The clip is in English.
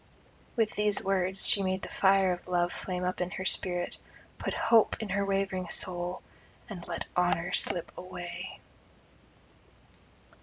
With these words she made the fire of love flame up in her spirit, put hope in her wavering soul, and let honour slip away.